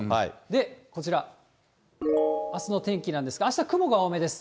で、こちら、あすの天気なんですが、あした雲が多めです。